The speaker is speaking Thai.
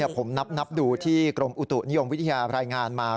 ผมนับดูที่กรมอุตุนิยมวิทยารายงานมา